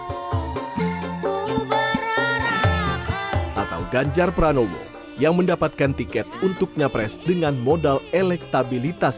safari politik atau ganjar pranowo yang mendapatkan tiket untuknya pres dengan modal elektabilitas